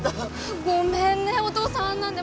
ごめんねお父さんあんなんで。